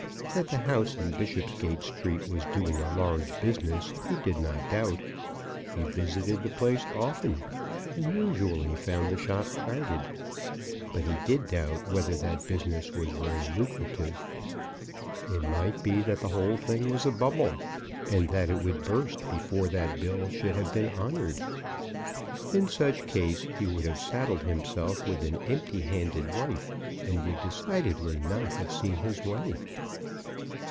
That the house in Bishopsgate Street was doing a large business he did not doubt. He visited the place often, and usually found the shop crowded. But he did doubt whether that business was very lucrative. It might be that the whole thing was a bubble, and that it would be burst before that bill should have been honoured. In such case, he would have saddled himself with an empty handed wife, and would decidedly not have seen his way.